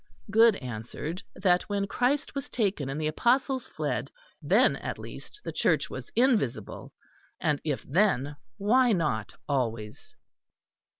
Goode answered that when Christ was taken and the Apostles fled, then at least the Church was invisible; and if then, why not always?